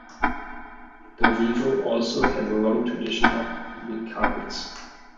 Donegal also has a long tradition of weaving carpets.